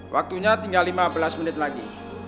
waktunya tinggal lima belas menit lagi